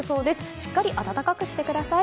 しっかり暖かくしてください。